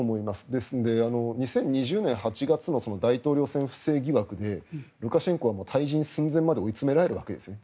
ですので２０２０年８月の大統領選不正疑惑でルカシェンコは退陣寸前まで追いつめられるわけですね。